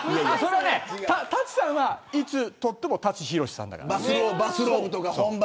舘さんはいつ撮っても舘ひろしだから。